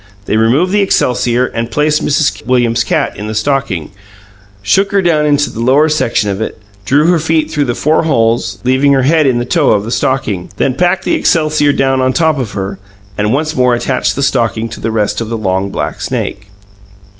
They removed the excelsior, placed Mrs. Williams's cat in the stocking, shook her down into the lower section of it; drew her feet through the four holes there, leaving her head in the toe of the stocking; then packed the excelsior down on top of her, and once more attached the stocking to the rest of the long, black snake.